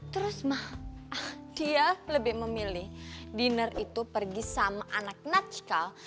terus ma dia lebih memilih dinner itu pergi sama anak nacikal